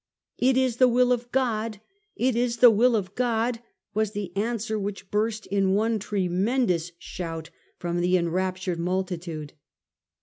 ' It is the will of God, it is the will of God !' was the answer which burst in one tremendous shout from the enraptured multitude.